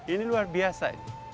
ini luar biasa